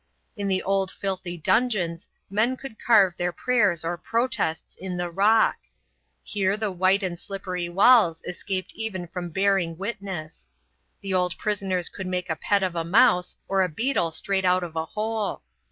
In the old filthy dungeons men could carve their prayers or protests in the rock. Here the white and slippery walls escaped even from bearing witness. The old prisoners could make a pet of a mouse or a beetle strayed out of a hole.